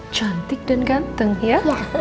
cantik dan ganteng ya